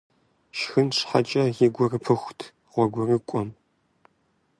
Шхын щхьэкӀэ и гур пыхурт гъуэгурыкӀуэм.